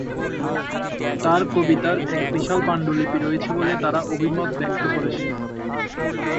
তাঁর কবিতার এক বিশাল পাণ্ডুলিপি রয়েছে বলে তাঁরা অভিমত ব্যক্ত করেছেন।